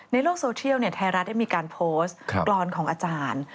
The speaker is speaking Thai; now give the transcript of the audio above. โลกโซเทียลไทยรัฐได้มีการโพสต์กรอนของอาจารย์